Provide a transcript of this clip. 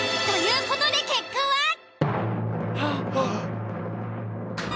という事で結果は？